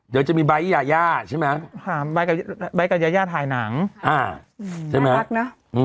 เดี๋ยวจะมีไบร์ทยายาใช่ไหมค่ะไบร์ทกับยายาถ่ายหนังอ่าใช่ไหมน่ารักเนอะอืม